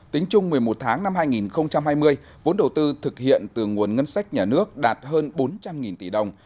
tính chung một mươi một tháng năm hai nghìn hai mươi vốn đầu tư thực hiện từ nguồn ngân sách nhà nước đạt hơn bốn trăm linh tỷ đồng